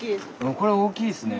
これ大きいっすね。